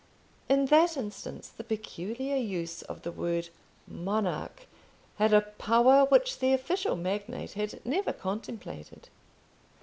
In that instance the peculiar use of the word Monarch had a power which the official magnate had never contemplated.